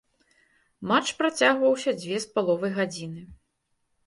Матч працягваўся дзве з паловай гадзіны.